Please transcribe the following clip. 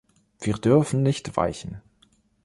Wir dürfen nicht weichen.